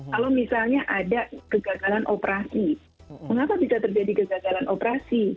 kalau misalnya ada kegagalan operasi mengapa bisa terjadi kegagalan operasi